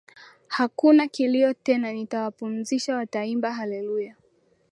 Hakuna kilio tena Nitawapumzisha wataimba haleluya